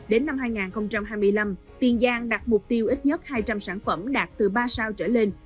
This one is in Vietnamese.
đến năm hai nghìn hai mươi năm tiền giang đặt mục tiêu ít nhất hai trăm linh sản phẩm đạt từ ba sao trở lên